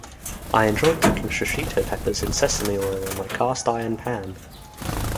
I enjoy cooking shishito peppers in sesame oil in my cast iron pan.